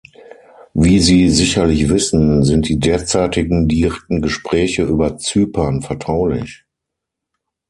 Wie Sie sicherlich wissen, sind die derzeitigen direkten Gespräche über Zypern vertraulich.